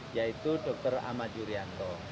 yaitu dr ahmad yuryanto